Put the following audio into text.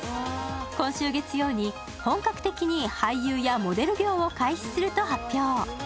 今週月曜に本格的に俳優やモデル業を開始すると発表。